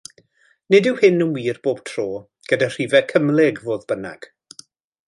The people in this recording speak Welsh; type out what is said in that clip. Nid yw hyn yn wir bob tro, gyda rhifau cymhlyg, fodd bynnag.